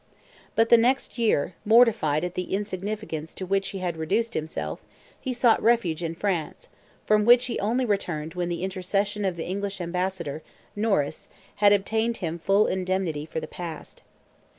But the next year, mortified at the insignificance to which he had reduced himself, he sought refuge in France, from which he only returned when the intercession of the English ambassador, Norris, had obtained him full indemnity for the past.